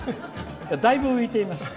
だいぶ浮いていました。